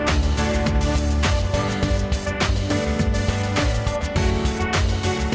aku tidak punya gini menyuall mono kecil